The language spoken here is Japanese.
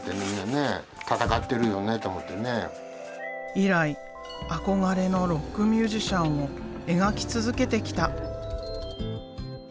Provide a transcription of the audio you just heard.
以来憧れのロックミュージシャンを描き続けてきた。